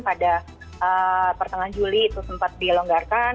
pada pertengahan juli itu sempat dilonggarkan